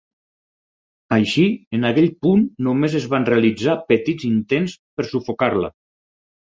Així, en aquell punt només es van realitzar petits intents per sufocar-la.